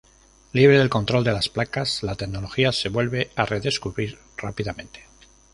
Libre del control de las placas, la tecnología se vuelve a redescubrir rápidamente.